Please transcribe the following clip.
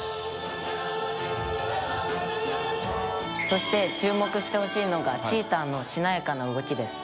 「そして注目してほしいのがチーターのしなやかな動きです」